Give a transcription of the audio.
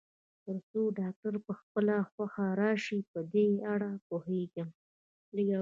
تر څو ډاکټر په خپله خوښه راشي، په دې اړه پوهېږم.